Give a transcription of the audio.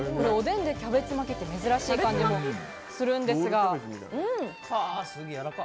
おでんでキャベツ巻きって珍しい感じもするんですが。